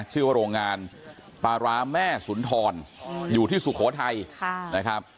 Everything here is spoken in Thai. ชื่อว่าโรงงานปลาร้าแม่สุนทรอยู่ที่สุโขทัยนะครับ